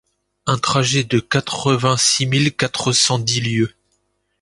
Un trajet de quatre-vingt-six mille quatre cent dix lieues